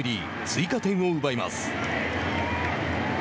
追加点を奪います。